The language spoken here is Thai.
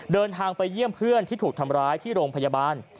เดินทางไปเยี่ยมเพื่อนที่ถูกทำร้ายที่โรงพยาบาล